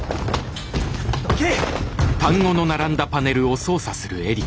どけ！